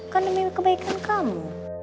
kan demi kebaikan kamu